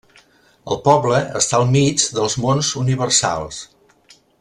El poble està al mig dels Monts Universals.